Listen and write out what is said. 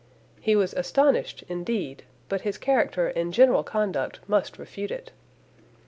He was astonished, indeed, but his character and general conduct must refute it.